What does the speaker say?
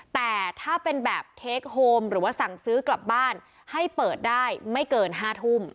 แต่ถ้าเป็นแบบเทคโฮมหรือว่าสั่งซื้อกลับบ้านให้เปิดได้ไม่เกิน๕ทุ่ม